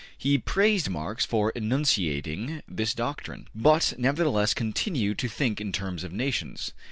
He praised Marx for enunciating this doctrine, but nevertheless continued to think in terms of nations.